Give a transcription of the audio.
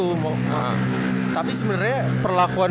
tapi sebenernya perlakuan dari coaching staff mem ban si abraham itu sih kayak